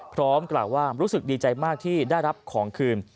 พร้อมกล่าวว่ารู้สึกดีใจมากที่ได้รับของคืน